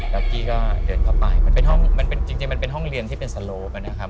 แล้วกี้ก็เดินเข้าไปจริงมันเป็นห้องเรียนที่เป็นสโลปนะครับ